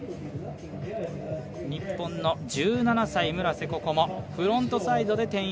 日本の１７歳、村瀬心椛、フロントサイドで１０８０。